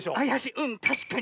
うんたしかに！